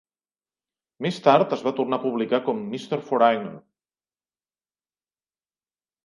Més tard es va tornar a publicar com "Mr Foreigner".